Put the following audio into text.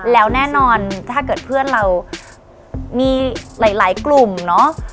แล้วแน่นอนถ้าเกิดเพื่อนเรามีหลายกลุ่มเนาะ